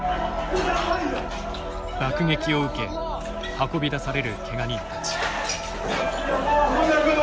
爆撃を受け、運び出されるけが人たち。